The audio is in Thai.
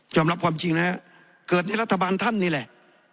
สำหรับความจริงนะครับเกิดได้ในรัฐบาลท่านนี่แหละ